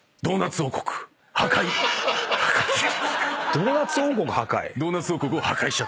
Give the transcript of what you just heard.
『ドーナツ王国破壊』？